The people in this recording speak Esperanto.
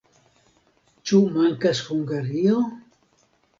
Ĉu mankas Hungario?